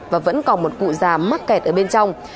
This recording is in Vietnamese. và vẫn còn một cụ già mắc kẹt ở bên trong